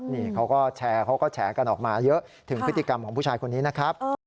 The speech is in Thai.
นี่เขาก็แชร์เขาก็แฉกันออกมาเยอะถึงพฤติกรรมของผู้ชายคนนี้นะครับ